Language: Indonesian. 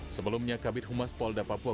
sebelumnya kabit humas polda papua